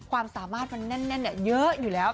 ความสามารถมันแน่นเยอะอยู่แล้ว